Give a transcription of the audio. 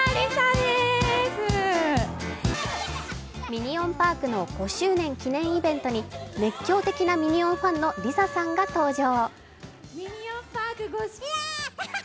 ミニオン・パークの５周年記念イベントに熱狂的なミニオンファンのＬｉＳＡさんが登場。